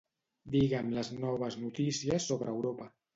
Digue'm les noves notícies sobre Europa.